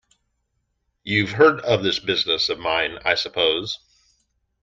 You've heard of this business of mine, I suppose?